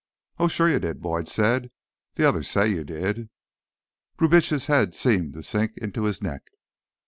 "Oh, sure you did," Boyd said. "The others say you did." Brubitsch's head seemed to sink into his neck.